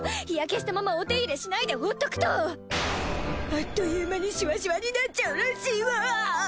日焼けしたままお手入れしないで放っとくとあっという間にシワシワになっちゃうらしいわ！